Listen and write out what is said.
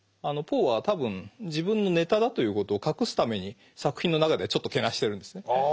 ポーは多分自分のネタだということを隠すために作品の中ではちょっとけなしてるんですね。